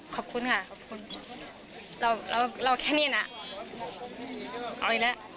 ขอบคุณค่ะเราแค่นี่น่ะเอาอีกแหละ